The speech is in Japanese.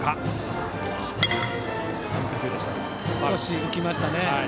少し浮きましたね。